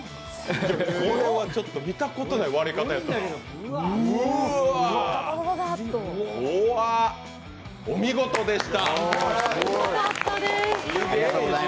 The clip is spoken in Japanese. これはちょっと見たことない割れ方やったな。